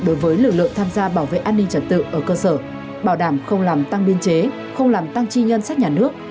đối với lực lượng tham gia bảo vệ an ninh trật tự ở cơ sở bảo đảm không làm tăng biên chế không làm tăng chi ngân sách nhà nước